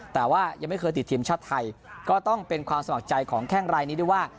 แต่ว่ายังไม่เคยติดทีมชาติไทยก็ต้องเป็นความสมัครใจของแข้งรายนี้ด้วยว่า